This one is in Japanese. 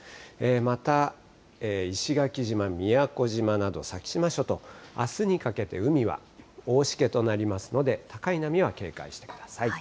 また、石垣島、宮古島など、先島諸島、あすにかけて海は大しけとなりますので、高い波は警戒してください。